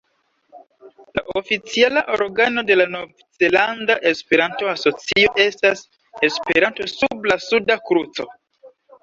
La oficiala organo de la Nov-Zelanda Esperanto-Asocio estas "Esperanto sub la Suda Kruco".